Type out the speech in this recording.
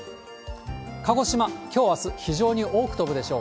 鹿児島、きょう、あす、非常に多く飛ぶでしょう。